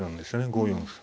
５四歩。